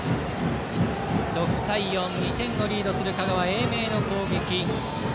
６対４、２点をリードする香川・英明の攻撃。